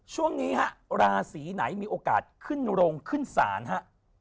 ช่วงนี้ฮะราศีไหนมีโอกาสขึ้นโรงขึ้นศาลฮะ